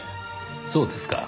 そうですか。